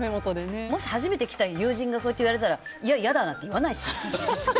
もし初めて来た友人にそう言われたら嫌だなんて言わないし。